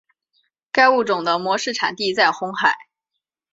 该物种的模式产地在红海。